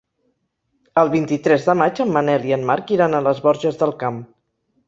El vint-i-tres de maig en Manel i en Marc iran a les Borges del Camp.